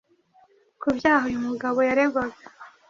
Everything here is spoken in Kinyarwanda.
ku byaha uyu mugabo yaregwaga.